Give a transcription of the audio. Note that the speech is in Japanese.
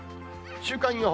週間予報。